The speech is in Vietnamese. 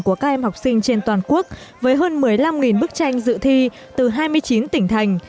của các em học sinh trên toàn quốc với hơn một mươi năm bức tranh dự thi từ hai mươi chín tỉnh thành